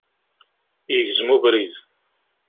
Yegzem ubrid